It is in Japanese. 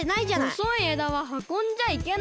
ほそいえだははこんじゃいけないの？